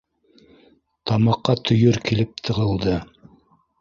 Тамаҡҡа төйөр килеп тығылды.